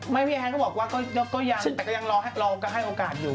พี่แอนก็บอกว่าก็ยังแต่ก็ยังเราก็ให้โอกาสอยู่